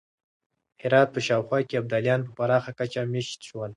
د هرات په شاوخوا کې ابدالیان په پراخه کچه مېشت شول.